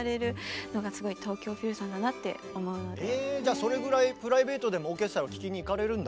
皆さんえじゃあそれぐらいプライベートでもオーケストラを聴きに行かれるんだ。